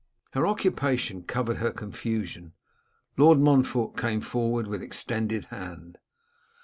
Her occupation covered her confusion. Lord Montfort came forward with extended hand.